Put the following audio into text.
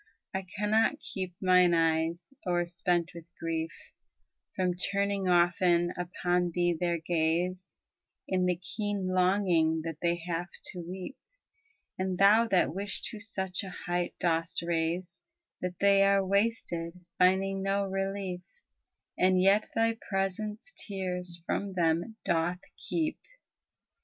I cannot keep mine eyes, o'erspent with grief, From turning often upon thee their gaze, ' In the keen longing that they have to weep : And thou that wish to such a height dost raise That they are wasted, finding no relief, And yet thy presence tears from them doth keep.